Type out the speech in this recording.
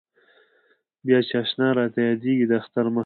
بیا چې اشنا راته یادېږي د اختر مخه ده.